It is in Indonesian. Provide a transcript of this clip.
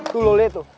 tuh lo liat tuh